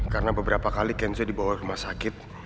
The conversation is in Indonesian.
karena beberapa kali kenzo dibawa ke rumah sakit